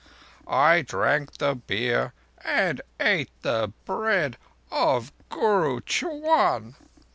I drank the beer and ate the bread of Guru Ch'wan.